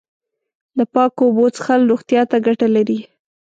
د پاکو اوبو څښل روغتیا ته گټه لري.